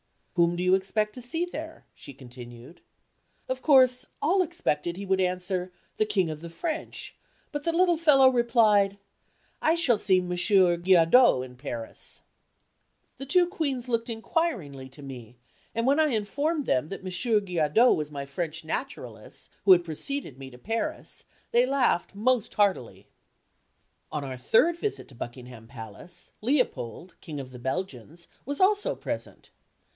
"Whom do you expect to see there?" she continued. Of course all expected he would answer, "the King of the French," but the little fellow replied: "I shall see Monsieur Guillaudeu in Paris." The two Queens looked inquiringly to me, and when I informed them that M. Guillaudeu was my French naturalist, who had preceded me to Paris, they laughed most heartily. On our third visit to Buckingham Palace, Leopold, King of the Belgians, was also present.